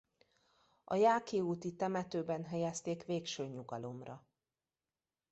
A Jáki úti temetőben helyezték végső nyugalomra.